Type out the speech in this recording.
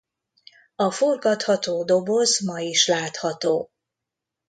A forgatható doboz ma is látható.